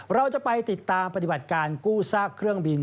เราจะไปติดตามปฏิบัติการกู้ซากเครื่องบิน